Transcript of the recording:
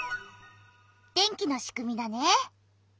電気のしくみだね。